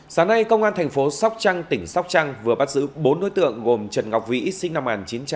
sáng nay công an thành phố sóc trăng tỉnh sóc trăng vừa bắt giữ bốn đối tượng gồm trần ngọc vĩ sinh năm một nghìn chín trăm tám mươi